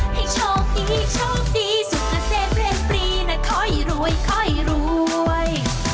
ให้โชคดีโชคดีสุขเกษตรเรียนปรีนะค่อยรวยค่อยรวย